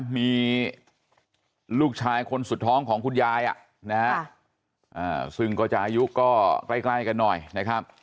มีลูกชายคนสุดท้องของคุณยายซึ่งก็จะอายุก็ใกล้กันหน่อยนะครับ